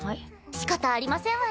しかたありませんわね。